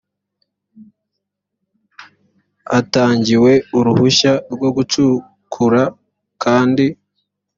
hatangiwe uruhushya rwo gucukura kandi